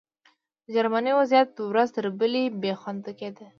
د جرمني وضعیت ورځ تر بلې بې خونده کېده